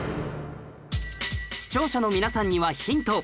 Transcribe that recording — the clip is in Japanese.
視聴者の皆さんにはヒント